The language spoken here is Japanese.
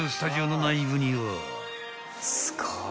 すごい。